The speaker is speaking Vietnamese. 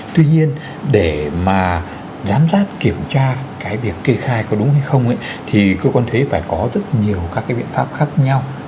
tuy nhiên để mà giám sát kiểm tra cái việc kê khai có đúng hay không thì cơ quan thuế phải có rất nhiều các cái biện pháp khác nhau